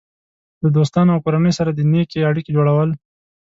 د دوستانو او کورنۍ سره د نیکې اړیکې جوړول.